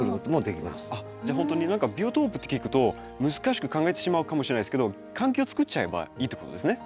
何かビオトープって聞くと難しく考えてしまうかもしれないですけど環境を作っちゃえばいいということですね。